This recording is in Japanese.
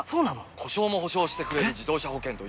故障も補償してくれる自動車保険といえば？